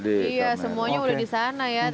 iya semuanya udah di sana ya